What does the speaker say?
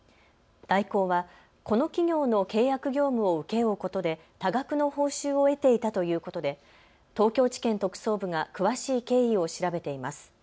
大広はこの企業の契約業務を請け負うことで多額の報酬を得ていたということで東京地検特捜部が詳しい経緯を調べています。